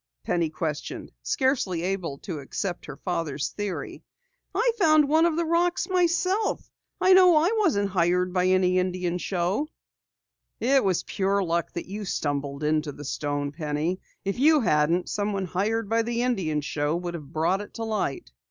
Penny questioned, scarcely able to accept her father's theory. "I found one of the rocks myself. I know I wasn't hired by any Indian show!" "It was pure luck that you stumbled into the stone, Penny. If you hadn't, someone hired by the Indian show would have brought it to light."